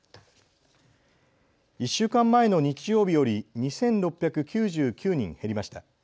１週間前の日曜日より２６９９人減りました。